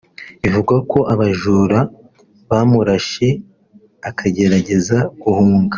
Bivugwa ko abajura bamurashe akagerageza guhunga